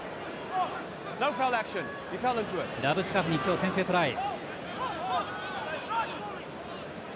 ラブスカフニ、今日、先制トライ。